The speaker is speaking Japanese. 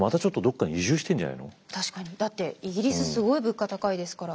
だってイギリスすごい物価高いですから。